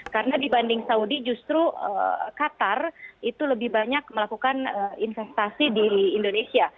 karena dibanding saudi justru qatar itu lebih banyak melakukan investasi di indonesia